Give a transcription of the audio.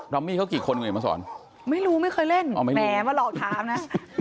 มี่เขากี่คนคุณเห็นมาสอนไม่รู้ไม่เคยเล่นแหมมาหลอกถามนะ